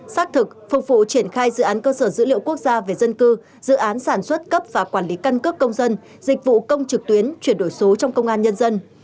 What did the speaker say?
xác thực phục vụ triển khai dự án cơ sở dữ liệu quốc gia về dân cư dự án sản xuất cấp và quản lý căn cước công dân dịch vụ công trực tuyến chuyển đổi số trong công an nhân dân